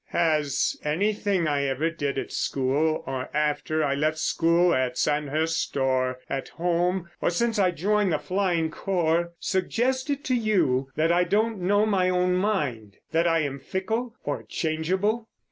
"Has anything I ever did at school or after I left school, at Sandhurst or at home or since I joined the Flying Corps, suggested to you that I don't know my own mind? That I am fickle or changeable?"